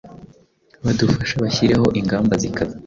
badufashe bashyireho ingamba zikaze